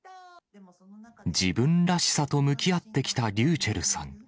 自分らしさと向き合ってきたｒｙｕｃｈｅｌｌさん。